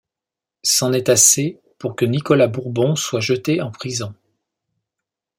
C’en est assez pour que Nicolas Bourbon soit jeté en prison.